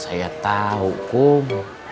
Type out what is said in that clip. saya tahu kum